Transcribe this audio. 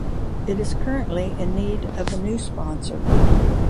It is currently in need of a new sponsor.